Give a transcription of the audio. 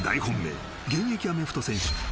本命現役アメフト選手